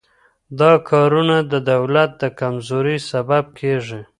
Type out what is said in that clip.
دا کارونه د دولت د کمزورۍ سبب کیږي.